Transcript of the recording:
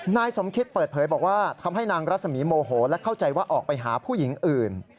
นายสมคิตเปิดเผยบอกว่าทำให้นางรัศมีโมโหและเข้าใจว่าออกไปหาผู้หญิงอื่น